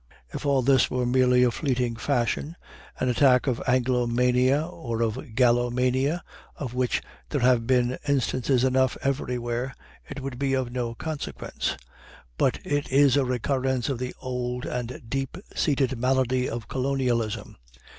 If all this were merely a fleeting fashion, an attack of Anglo mania or of Gallo mania, of which there have been instances enough everywhere, it would be of no consequence. But it is a recurrence of the old and deep seated malady of colonialism.